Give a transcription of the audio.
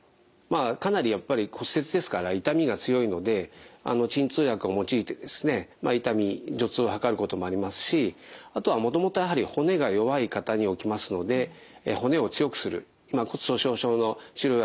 かなりやっぱり骨折ですから痛みが強いので鎮痛薬を用いてですね痛み除痛を図ることもありますしあとはもともと骨が弱い方に起きますので骨を強くする今骨粗しょう症の治療薬でですね